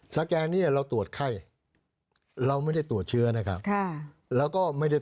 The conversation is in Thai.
สแกนนี้เราตรวจไข้